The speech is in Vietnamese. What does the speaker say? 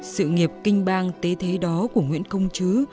sự nghiệp kinh bang tế thế đó của nguyễn công chứ